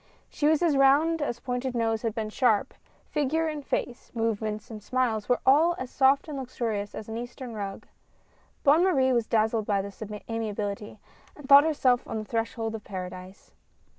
She was as round as Pointed Nose had been sharp — figure and face, movements and smiles, were all as soft and luxurious as an Eastern rug. Bonne Marie was dazzled by this amiability, and thought herself on the threshold of Paradise.